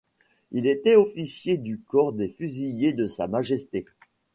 Il était officier du corps des fusiliers de Sa Majesté.